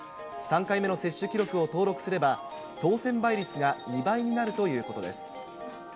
３回目の接種記録を登録すれば、当せん倍率が２倍になるということです。